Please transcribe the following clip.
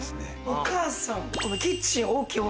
お母さん。